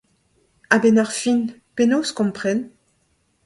A-benn ar fin, penaos kompren ?